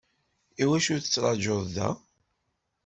Iwacu ur tettrajuḍ da?